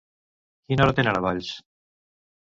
Quina hora tenen a Valls?